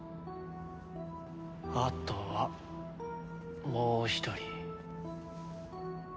あとはもう一人。